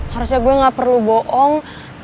harusnya gue gak perlu bohong